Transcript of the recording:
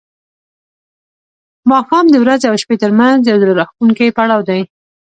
ماښام د ورځې او شپې ترمنځ یو زړه راښکونکی پړاو دی.